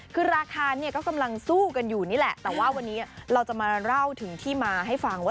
คือราคาเนี่ยก็กำลังสู้กันอยู่นี่แหละแต่ว่าวันนี้เราจะมาเล่าถึงที่มาให้ฟังว่า